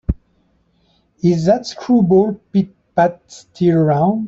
Is that screwball Pit-Pat still around?